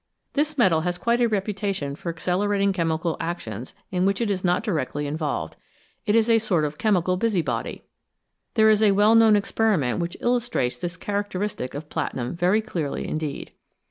This metal has quite a reputation for accelerating chemical actions in which it is not directly involved ; it is a sort of chemical busybody. There is a well known ex periment which illustrates this characteristic of platinum very clearly indeed.